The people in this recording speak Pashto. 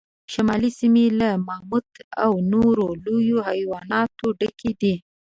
شمالي سیمې له ماموت او نورو لویو حیواناتو ډکې وې.